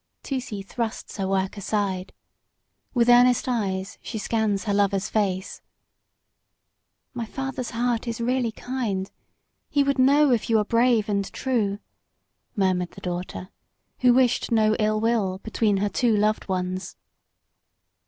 Tusee thrusts her work aside. With earnest eyes she scans her lover's face. "My father's heart is really kind. He would know if you are brave and true," murmured the daughter, who wished no ill will between her two loved ones.